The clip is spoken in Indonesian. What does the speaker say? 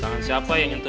tangan siapa yang nyentuh